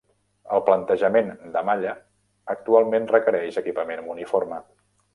El plantejament de malla actualment requereix equipament uniforme.